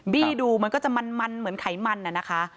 บี้ดูมันก็จะมันเหมือนไขมันน่ะนะคะ